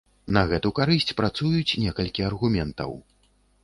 На гэту карысць працуюць некалькі аргументаў.